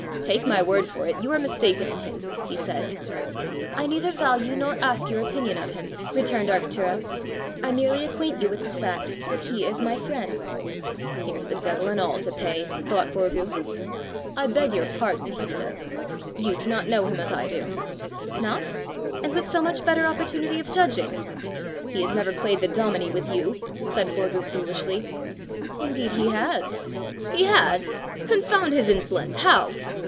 "Take my word for it, you are mistaken in him," he said. "I neither value nor ask your opinion of him," returned Arctura. "I merely acquaint you with the fact that he is my friend." "Here's the devil and all to pay!" thought Forgue. "I beg your pardon," he said: "you do not know him as I do!" "Not? and with so much better opportunity of judging!" "He has never played the dominie with you!" said Forgue foolishly. "Indeed he has!" "He has! Confound his insolence! How?"